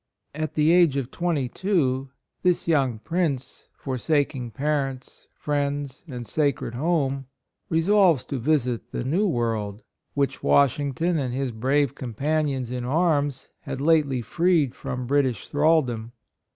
At the age of 22, this young prince for saking parents, friends and sacred home, resolves to visit the New World, which Washington and his brave companions in arms had lately freed from British thraldom.